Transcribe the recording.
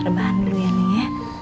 udah harapan dulu ya nih ya